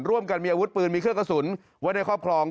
ร่วมกันมีอาวุธปืนมีเครื่องกระสุนไว้ในครอบครอง